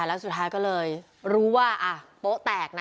แล้วสุดท้ายก็เลยรู้ว่าโป๊ะแตกนะ